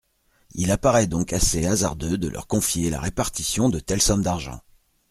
Il apparaît donc assez hasardeux de leur confier la répartition de telles sommes d’argent.